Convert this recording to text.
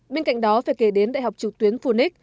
bên cạnh đó phải kể đến đại học trực tuyến phunix